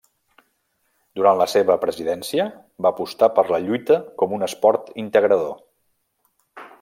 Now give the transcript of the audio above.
Durant la seva presidència, va apostar per la lluita com un esport integrador.